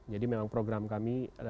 jadi memang program kami